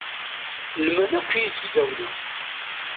Lman akk yizegzawen-a.